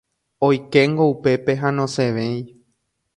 Oikéngo upépe ha nosẽvéi.